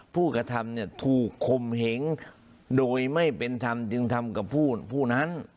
ผู้กระทำเนี่ยถูกคมเหงโดยไม่เป็นธรรมจึงทำกับผู้นั้น